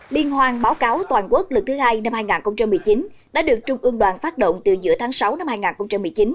liên hoan báo cáo toàn quốc lần thứ hai năm hai nghìn một mươi chín đã được trung ương đoàn phát động từ giữa tháng sáu năm hai nghìn một mươi chín